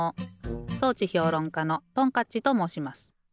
装置評論家のトンカッチともうします。